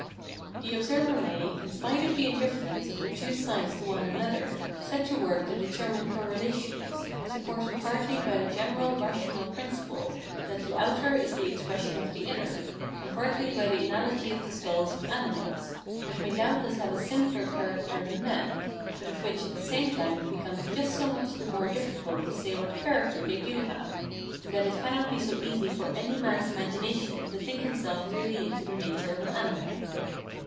The observer may, in spite of the indifference of the two sides to one another, set to work to deter mine correlations, supported partly by the general rational principle that the outer is the expression of the inner, and partly by the analogy of the skulls of animals — which may doubtless have a simpler char acter than men, but of which at the same time it be comes just so much the more difficult to say what character they do have, in that it cannot be so easy for any man's imagination to think himself really into the nature of an animal.